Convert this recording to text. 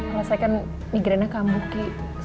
kalau saya kan migrainek lambuh kiki